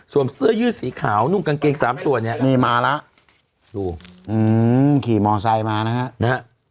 สวมเสื้อยืดสีขาวนุ่มกางเกง๓ส่วนนี่มาแล้วดูขี่มอเซ็นต์มานะฮะ